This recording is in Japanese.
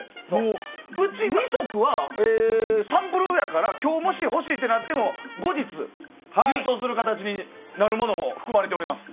うち２足はサンプルやから今日、もし欲しいってなっても後日、郵送する形になるものも含まれております。